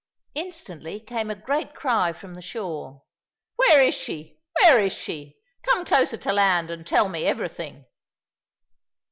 Instantly came a great cry from the shore. "Where is she? Where is she? Come closer to land and tell me everything!"